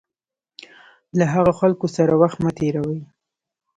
له هغه خلکو سره وخت مه تېروئ.